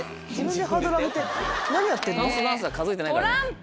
タンスダンスは数えてないから。